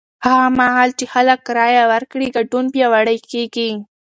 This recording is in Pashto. هغه مهال چې خلک رایه ورکړي، ګډون پیاوړی کېږي.